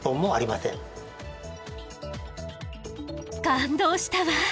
感動したわ。